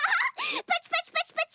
パチパチパチパチ！